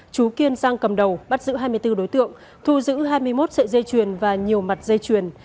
chú kiên sang cầm đầu bắt giữ hai mươi bốn đối tượng thu giữ hai mươi một sợi dây chuyền và nhiều mặt dây chuyền